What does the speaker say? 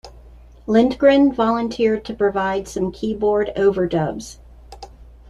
Lindgren volunteered to provide some keyboard overdubs.